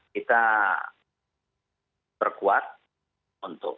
kita berkuat untuk